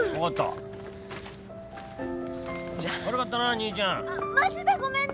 悪かったな兄ちゃんマジでごめんね。